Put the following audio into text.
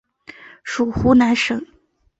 属湖南省。